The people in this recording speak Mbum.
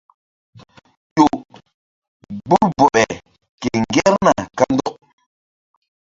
Ƴo gbur bɔɓe ke ŋgerna kandɔk.